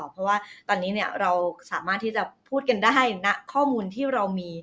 เพราะว่าตอนนี้เราสามารถที่จะพูดกันได้ณข้อมูลที่เรามี